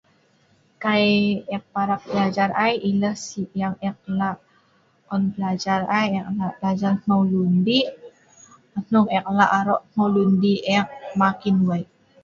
Kai ek parap belajal ai, ileh si yang ek lah on belajal ai, ek lah belajal hmeu lun dih'. Hnong ek lah' aro' hmeu lun dih ek makin wei'.